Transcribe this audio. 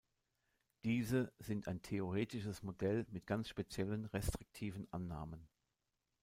Diese sind ein theoretisches Modell mit ganz speziellen restriktiven Annahmen.